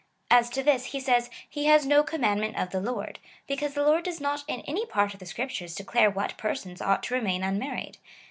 As to this, he says he has no commandment of the Lord; because the Lord does not in any part of the Scriptures declare what persons ought to remain unmarried.